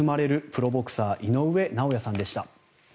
プロボクサー井上尚弥さんでした。